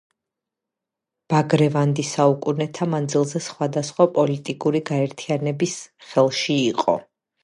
ბაგრევანდი საუკუნეთა მანძილზე სხვადასხვა პოლიტიკური გაერთიანების ხელში იყო.